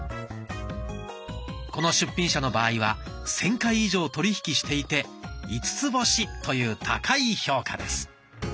この出品者の場合は１，０００回以上取り引きしていて５つ星という高い評価です。